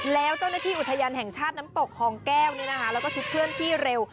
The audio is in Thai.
แล้วเจ้าหน้าที่อุทยานแห่งชาติน้ำตกคลองแก้วแล้วก็ชุดเคลื่อนที่เร็ว